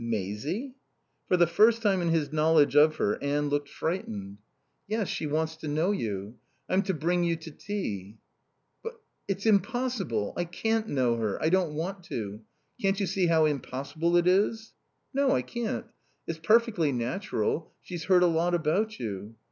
"Maisie?" For the first time in his knowledge of her Anne looked frightened. "Yes. She wants to know you. I'm to bring you to tea." "But it's impossible. I can't know her. I don't want to. Can't you see how impossible it is?" "No, I can't. It's perfectly natural. She's heard a lot about you."